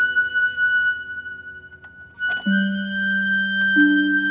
neng mah kayak gini